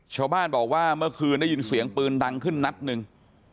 ชาวบ้านบอกว่าเมื่อคืนได้ยินเสียงปืนดังขึ้นนัดหนึ่ง